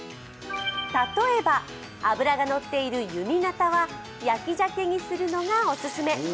例えば、脂がのっている弓形は焼き鮭にするのがオススメ。